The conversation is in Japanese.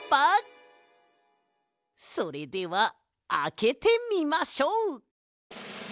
それではあけてみましょう！